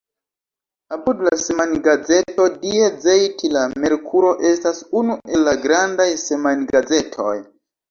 Apud la semajngazeto Die Zeit la Merkuro estas unu el la grandaj semajn-gazetoj.